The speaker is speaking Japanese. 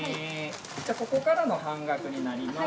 ここからの半額になります。